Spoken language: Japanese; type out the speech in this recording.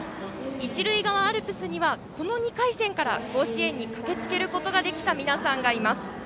一塁側アルプスにはこの２回戦から甲子園に駆けつけることができた皆さんがいます。